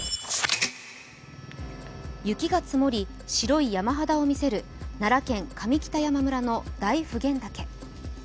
雪が積もり、白い山肌を見せる奈良県上北山村の大普賢岳。